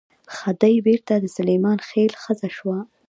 خدۍ بېرته د سلیمان خېل ښځه شوه.